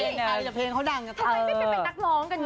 เฮ้ยถ้าไม่เป็นเป็นนักร้องก็งง